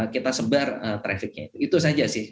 kita sebar trafficnya itu saja sih